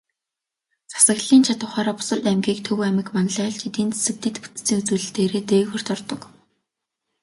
Засаглалын чадавхаараа бусад аймгийг Төв аймаг манлайлж, эдийн засаг, дэд бүтцийн үзүүлэлтээрээ дээгүүрт ордог.